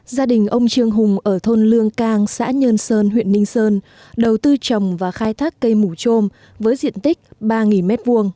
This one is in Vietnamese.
gia đình ông trương hùng ở thôn lương cang xã nhơn sơn huyện ninh sơn đầu tư trồng và khai thác cây mủ trôm với diện tích ba m hai